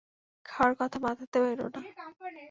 খাওয়ার কথা মাথাতেও এনো না।